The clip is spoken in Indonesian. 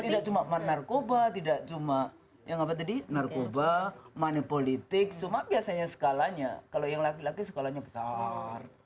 tidak cuma narkoba tidak cuma yang apa tadi narkoba money politik cuma biasanya skalanya kalau yang laki laki skalanya besar